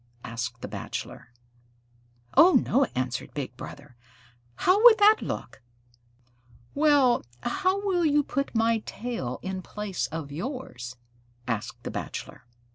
asked the Bachelor. "Oh, no," answered Big Brother. "How that would look!" "Well, how will you put my tail in place of yours?" asked the Bachelor.